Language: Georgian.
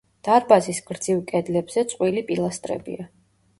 დარბაზის გრძივ კედლებზე წყვილი პილასტრებია.